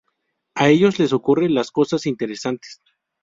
A ellos les ocurren las cosas interesantes".